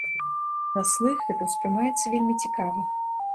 На слых гэта ўспрымаецца вельмі цікава.